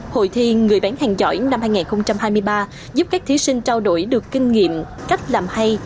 hội thi người bán hàng giỏi năm hai nghìn hai mươi ba giúp các thí sinh trao đổi được kinh nghiệm cách làm hay